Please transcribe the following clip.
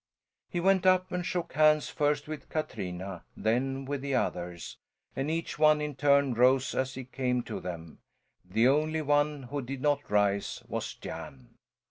He went up and shook hands, first with Katrina, then with the others, and each one in turn rose as he came to them; the only one who did not rise was Jan.